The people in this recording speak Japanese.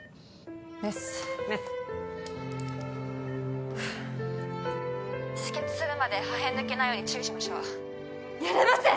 メスメスふう止血するまで破片抜けないように注意しましょうやれません！